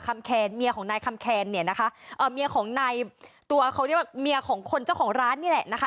เมียของนายคำแคนเนี่ยนะคะเอ่อเมียของนายตัวเขาเรียกว่าเมียของคนเจ้าของร้านนี่แหละนะคะ